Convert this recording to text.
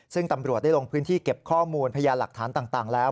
ซึ่งตำรวจได้ลงพื้นที่เก็บข้อมูลพยานหลักฐานต่างแล้ว